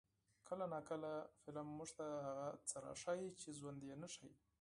کله ناکله فلم موږ ته هغه څه راښيي چې ژوند یې نه ښيي.